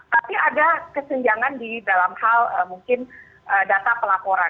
tapi ada kesenjangan di dalam hal mungkin data pelaporan